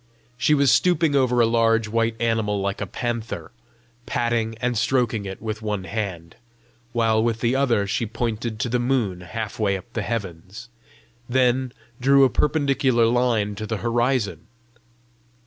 She was stooping over a large white animal like a panther, patting and stroking it with one hand, while with the other she pointed to the moon half way up the heaven, then drew a perpendicular line to the horizon.